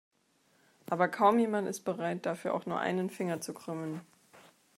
Aber kaum jemand ist bereit, dafür auch nur einen Finger zu krümmen.